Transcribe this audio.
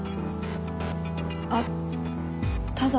あっただ。